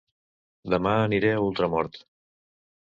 Dema aniré a Ultramort